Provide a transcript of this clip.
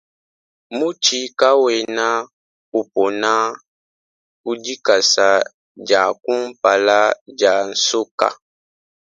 Mutshi kawena upona ku dikasa dia kumpala dia nsoka.